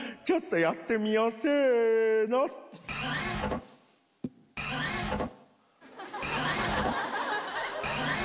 ちょっとやってみよう。